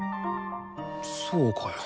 そうかよ。